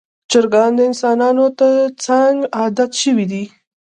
چرګان د انسانانو تر څنګ عادت شوي دي.